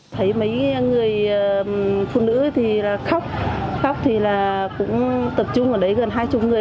thấy mấy người phụ nữ thì khóc khóc thì là cũng tập trung ở đấy gần hai mươi người